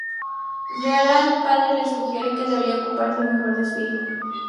Cleveland Padre le sugiere que debería ocuparse mejor de su hijo.